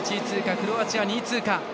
クロアチア、２位通過。